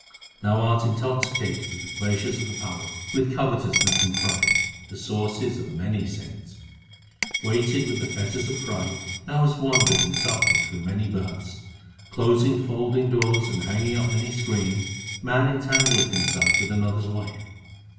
Thou art intoxicated with the pleasures of the palate, with covetousness and pride the sources of many sins. Weighted with the fetters of pride thou hast wandered in suffering through many births. Closing folding doors and hanging up many screens man entangleth himself with another s wife.